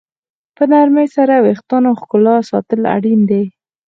په نرمۍ سره د ویښتانو ښکلا ساتل اړین دي.